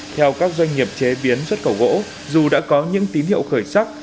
theo các doanh nghiệp chế biến xuất khẩu gỗ dù đã có những tín hiệu khởi sắc